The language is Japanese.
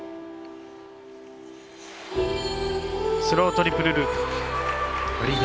スロートリプルループ。